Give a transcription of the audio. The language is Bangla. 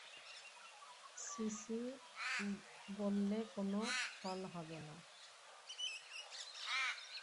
সিসি বললে, কোনো ফল হবে না।